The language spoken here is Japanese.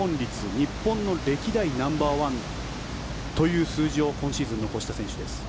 日本の歴代ナンバーワンといいう数字を今シーズン残した選手です。